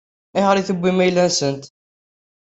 Ayɣer i tewwim ayla-nsent?